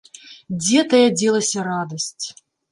Дзе тая дзелася радасць!